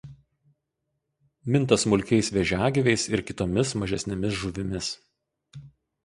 Minta smulkiais vėžiagyviais ir kitomis mažesnėmis žuvimis.